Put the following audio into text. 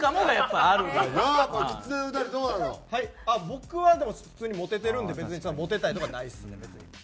僕はでも普通にモテてるんで別にそんなモテたいとかないですねだから。